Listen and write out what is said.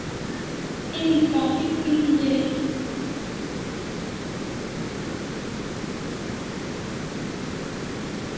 Emi kaffi p'en dai